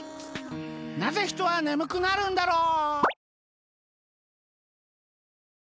なぜ人はねむくなるんだろう？